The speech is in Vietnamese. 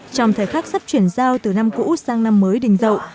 trong thời khắc sắp chuyển giao từ năm cũ sang năm mới đình dậu